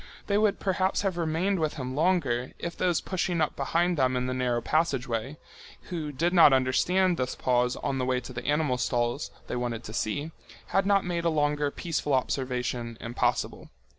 They would perhaps have remained with him longer, if those pushing up behind them in the narrow passage way, who did not understand this pause on the way to the animal stalls they wanted to see, had not made a longer peaceful observation impossible.